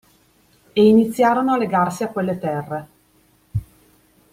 E iniziarono a legarsi a quelle terre.